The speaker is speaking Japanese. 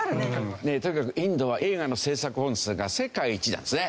とにかくインドは映画の制作本数が世界一なんですね。